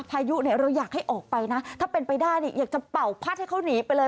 พายุเนี่ยเราอยากให้ออกไปนะถ้าเป็นไปได้เนี่ยอยากจะเป่าพัดให้เขาหนีไปเลย